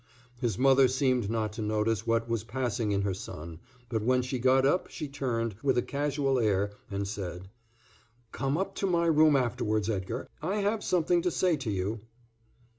His mother seemed not to notice what was passing in her son, but when she got up she turned, with a casual air, and said: "Come up to my room afterwards, Edgar, I have something to say to you."